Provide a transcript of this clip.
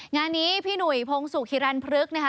งานนี้พี่หนุ่ยพงศุกร์ฮิรันต์พลึกนะคะ